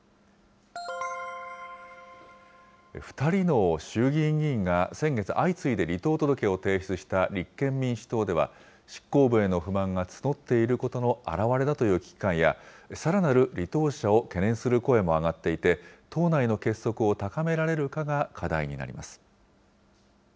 ２人の衆議院議員が先月相次いで離党届を提出した立憲民主党では、執行部への不満が募っていることの表れだという危機感や、さらなる離党者を懸念する声も上がっていて、党内の結束を高められるかが課題になります。